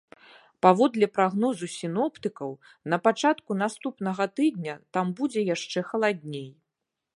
Паводле прагнозу сіноптыкаў, на пачатку наступнага тыдня там будзе яшчэ халадней.